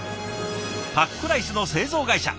パックライスの製造会社。